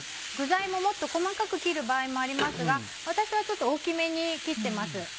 具材ももっと細かく切る場合もありますが私はちょっと大きめに切ってます。